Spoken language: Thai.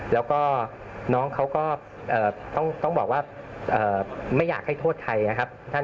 แล้วก็น้องเขาก็ต้องบอกว่าไม่อยากให้โทษใครนะครับ